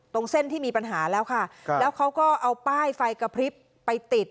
ตรงเส้นที่มีปัญหาแล้วค่ะครับแล้วเขาก็เอาป้ายไฟกระพริบไปติด